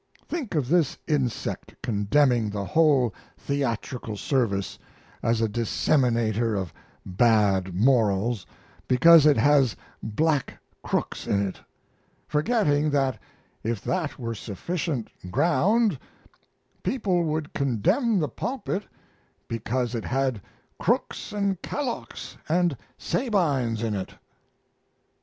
Think of this insect condemning the whole theatrical service as a disseminator of bad morals because it has Black Crooks in it; forgetting that if that were sufficient ground people would condemn the pulpit because it had Crooks and Kallochs and Sabines in it!